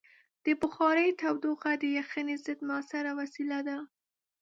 د بخارۍ تودوخه د یخنۍ ضد مؤثره وسیله ده.